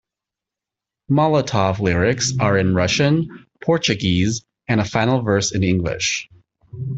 "Molotov" lyrics are in Russian, Portuguese, and a final verse in English.